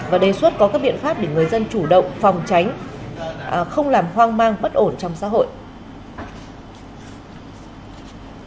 và đề xuất có các biện pháp để người dân chủ động phòng tránh không làm hoang mang bất ổn trong xã hội